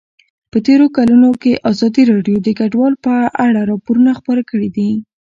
په تېرو کلونو کې ازادي راډیو د کډوال په اړه راپورونه خپاره کړي دي.